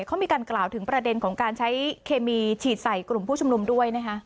เขามีการกล่าวถึงประเด็นของการใช้เคมีฉีดใส่กลุ่มผู้ชุมนุมด้วยนะคะ